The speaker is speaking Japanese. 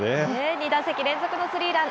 ２打席連続のスリーラン。